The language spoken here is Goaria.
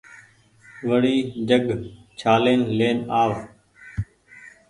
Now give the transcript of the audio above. وڙي جگ ڇآلين لين آو